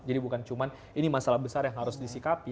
jadi bukan cuma ini masalah besar yang harus disikapi